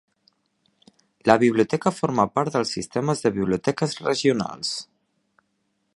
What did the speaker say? La biblioteca forma part dels sistemes de biblioteques regionals.